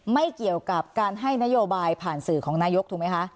ไม่เกี่ยวกับการให้นโยบายผ่านสื่อของนายกถูกไหมคะ